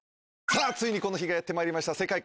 さあついにこの日がやってまいりました。